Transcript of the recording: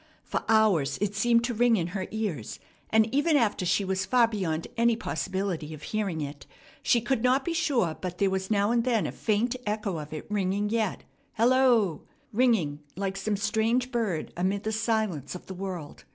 For hours it seemed to ring in her ears, and even after she was far beyond any possibility of hearing it she could not be sure but there was now and then a faint echo of it ringing yet, "Hello!" ringing like some strange bird amid the silence of the world.